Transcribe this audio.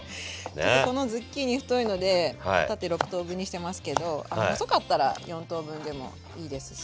ちょっとこのズッキーニ太いので縦６等分にしてますけど細かったら４等分でもいいですし。